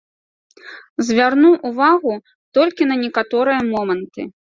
Звярну ўвагу толькі на некаторыя моманты.